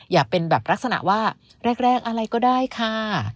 อย่าเป็นแบบลักษณะว่าแรกอะไรก็ได้ค่ะ